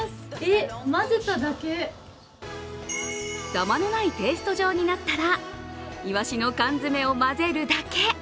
ダマのないペースト状になったら、いわしの缶詰を混ぜるだけ。